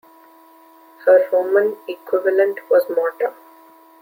Her Roman equivalent was Morta.